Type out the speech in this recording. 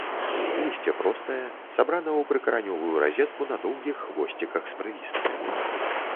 Лісце простае, сабрана ў прыкаранёвую разетку на доўгіх хвосціках з прылісткамі.